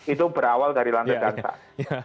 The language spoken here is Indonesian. itu berawal dari landa dan tak